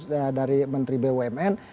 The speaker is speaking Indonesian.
staf khusus dari menteri bumn